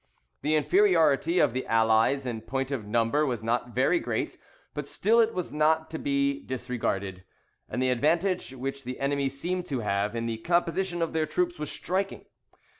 The inferiority of the Allies in point of number was not very great, but still it was not to be disregarded; and the advantage which the enemy seemed to have in the composition of their troops was striking.